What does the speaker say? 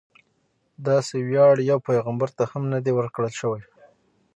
داسې ویاړ یو پیغمبر ته هم نه دی ورکړل شوی.